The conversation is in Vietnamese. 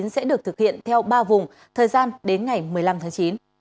sẽ được thực hiện theo ba vùng thời gian đến ngày một mươi năm tháng chín